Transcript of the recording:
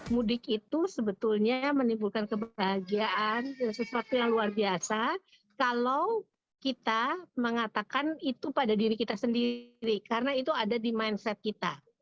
mudik itu sebetulnya menimbulkan kebahagiaan sesuatu yang luar biasa kalau kita mengatakan itu pada diri kita sendiri karena itu ada di mindset kita